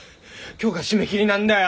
今日が締め切りなんだよ！